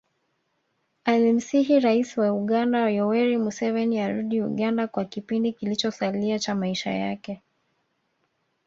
Alimsihi rais wa Uganda Yoweri Museveni arudi Uganda kwa kipindi kilichosalia cha maisha yake